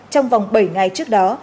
trong vòng bảy ngày trước đó